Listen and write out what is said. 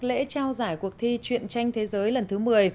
lễ trao giải cuộc thi chuyện tranh thế giới lần thứ một mươi